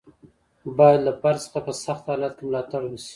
باید له فرد څخه په سخت حالت کې ملاتړ وشي.